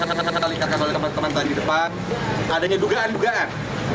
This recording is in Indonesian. tentunya seperti hal hal hal yang kalian lihat di depan adanya dugaan dugaan